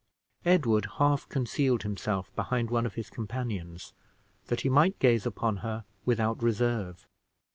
Edward half concealed himself behind one of his companions that he might gaze upon her without reserve.